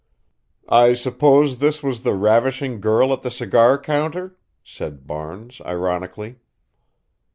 "I suppose this was the ravishing girl at the cigar counter?" said Barnes, ironically.